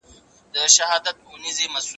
زه هره ورځ ښوونځی ځم!!